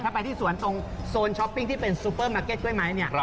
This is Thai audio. ถ้าไปที่สวนตรงโซนช้อปปิ้งที่เป็นซูเปอร์มาร์เก็ตกล้วยไม้เนี่ย